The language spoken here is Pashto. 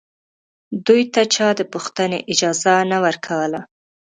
دوی ته چا د پوښتنې اجازه نه ورکوله